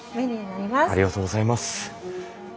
ありがとうございます。